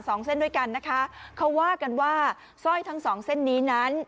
สองเส้นด้วยกันนะคะเขาว่ากันว่าสร้อยทั้งสองเส้นนี้นั้น